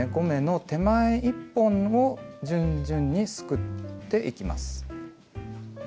５目の手前１本を順々にすくっていきます。